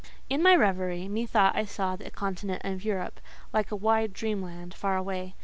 In my reverie, methought I saw the continent of Europe, like a wide dream land, far away.